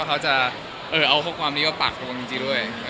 ข้อความดูสร้างสรรค์หรอ